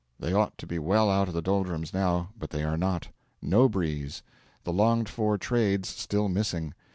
They ought to be well out of the doldrums now, but they are not. No breeze the longed for trades still missing.